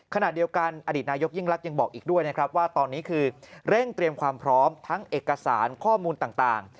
ขณะเดียวกันอดีตนายกยิ่งลักษณ์ยังบอกอีกด้วยนะครับว่าตอนนี้คือเร่งเตรียมความพร้อมทั้งเอกสารข้อมูลต่าง